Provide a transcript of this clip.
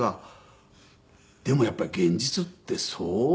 でもやっぱり現実ってそう。